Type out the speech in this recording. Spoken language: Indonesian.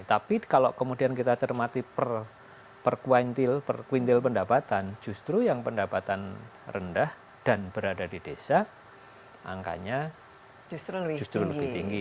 tapi kalau kemudian kita cermati per kuintil pendapatan justru yang pendapatan rendah dan berada di desa angkanya justru lebih tinggi